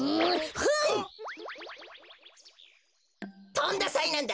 とんださいなんだ！